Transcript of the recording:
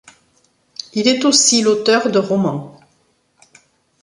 Il est aussi l'auteur de romans.